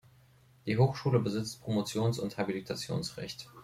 Die Hochschule besitzt Promotions- und Habilitationsrecht.